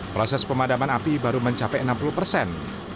proses pemadaman api baru mencapai enam puluh persen